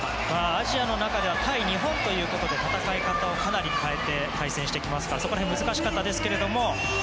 アジアの中では対日本ということで戦い方をかなり変えて対戦してきますからそこらへん難しかったですけど